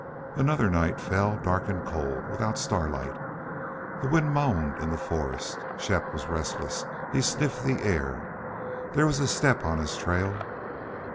Another night fell, dark and cold, without starlight. The wind moaned in the forest. Shepp was restless. He sniffed the air. There was a step on his trail.